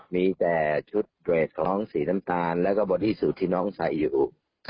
มีแต่ชุดเรทของสีน้ำตาลแล้วก็บอดี้สูตรที่น้องใส่อยู่